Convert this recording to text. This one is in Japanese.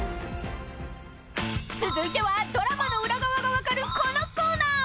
［続いてはドラマの裏側が分かるこのコーナー］